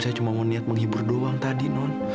saya cuma mau niat menghibur doang tadi non